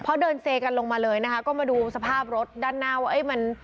เพราะเดินเซกันลงมาเลยนะคะก็มาดูสภาพรถด้านหน้าว่าเอ้ยมัน